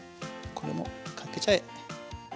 これもかけちゃえ。